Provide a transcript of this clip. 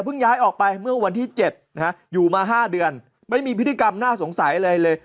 ย้ายออกไปเมื่อวันที่๗นะฮะอยู่มา๕เดือนไม่มีพฤติกรรมน่าสงสัยอะไรเลย